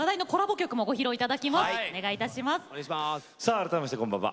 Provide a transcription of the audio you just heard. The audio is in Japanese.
さあ改めましてこんばんは。